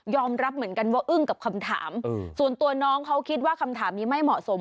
รับเหมือนกันว่าอึ้งกับคำถามส่วนตัวน้องเขาคิดว่าคำถามนี้ไม่เหมาะสม